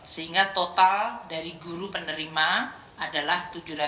sehingga total dari guru penerima adalah tujuh ratus empat puluh enam dua ratus dua puluh